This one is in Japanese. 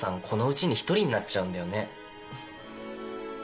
この家に１人になっちゃうんだよね。